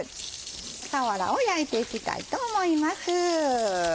さわらを焼いていきたいと思います。